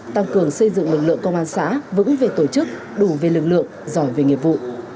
tăng cường xây dựng lực lượng công an xã vững về tổ chức đủ về lực lượng giỏi về nghiệp vụ